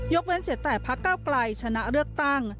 เว้นเสียแต่พักเก้าไกลชนะเลือกตั้ง